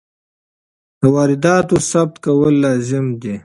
د وارداتو ثبت کول لازمي دي.